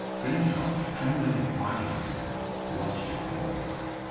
Grimshaw, trembling violently, watched it fall.